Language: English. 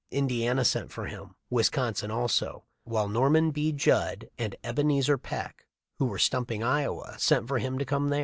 Indiana sent for him, Wisconsin, also, while Norman B. Judd and Ebenezer Peck, who were stumping Iowa, sent for him to come there.